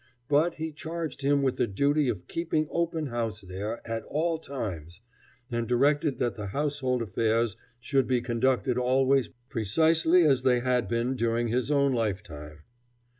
But he charged him with the duty of keeping open house there, at all times, and directed that the household affairs should be conducted always precisely as they had been during his own lifetime.